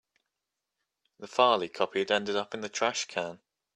The file he copied ended up in the trash can.